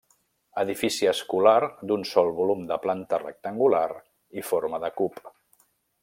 Edifici escolar d'un sol volum de planta rectangular i forma de cub.